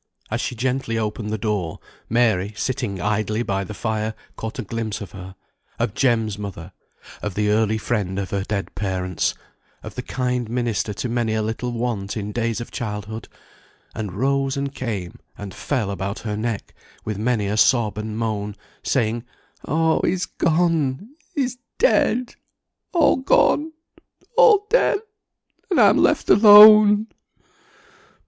As she gently opened the door, Mary, sitting idly by the fire, caught a glimpse of her, of Jem's mother, of the early friend of her dead parents, of the kind minister to many a little want in days of childhood, and rose and came and fell about her neck, with many a sob and moan, saying, "Oh, he's gone he's dead all gone all dead, and I am left alone!"